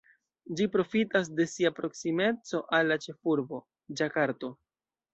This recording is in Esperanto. Ĝi profitas de sia proksimeco al la ĉefurbo, Ĝakarto.